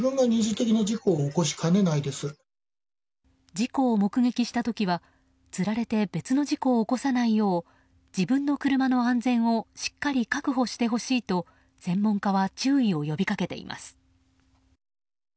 事故を目撃した時は、つられて別の事故を起こさないよう自分の車の安全をしっかり確保してほしいと専門家は注意を呼び掛けています。